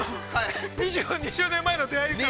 ◆２０年前の出会いから。